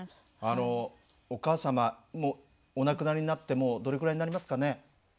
あのお母様お亡くなりになってもうどれくらいになりますかね？